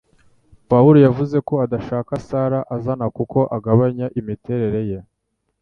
Pawulo yavuze ko adashaka ko Sara azana kuko agabanya imiterere ye